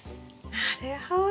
なるほど。